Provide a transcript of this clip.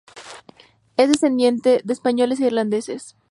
Es descendiente de españoles e irlandeses.